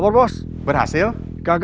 dan simpan u qian